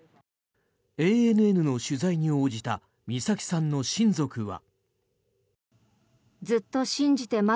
ＡＮＮの取材に応じた美咲さんの親族は。